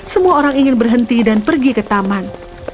semua orang ingin berhenti dan pergi ke taman